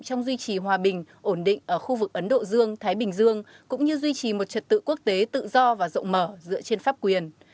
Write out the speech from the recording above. trong duy trì hòa bình ổn định ở khu vực ấn độ dương thái bình dương cũng như duy trì một trật tự quốc tế tự do và rộng mở dựa trên pháp quyền